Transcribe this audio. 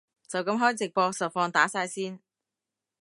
就噉開直播實況打晒先